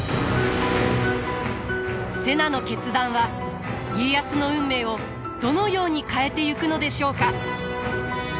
瀬名の決断は家康の運命をどのように変えてゆくのでしょうか？